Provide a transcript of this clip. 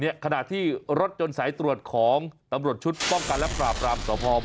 ขณะที่รถยนต์สายตรวจของตำรวจชุดป้องกันและปราบรามสพ